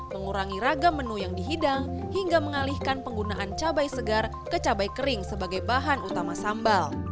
mengurangi ragam menu yang dihidang hingga mengalihkan penggunaan cabai segar ke cabai kering sebagai bahan utama sambal